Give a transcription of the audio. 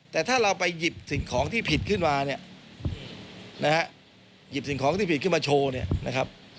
แต่ถ้าเราไปหยิบสิ่งของที่ผิดขึ้นมาหยิบสิ่งของที่ผิดขึ้นมาโชว์